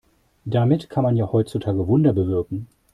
Damit kann man ja heutzutage Wunder bewirken.